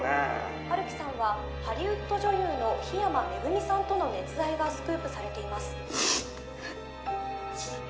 「陽樹さんはハリウッド女優の緋山恵さんとの熱愛がスクープされています」。